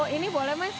ini boleh mas